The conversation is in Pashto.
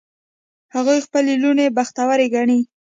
هغوی خپلې لوڼې بختوری ګڼي